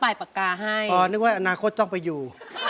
อย่างนึกไว้อาณาขวดต้องไปอยู่